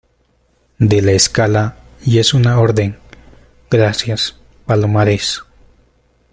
de la escala. y es una orden . gracias, Palomares .